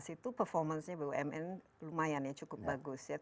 itu performance nya bumn lumayan ya cukup bagus ya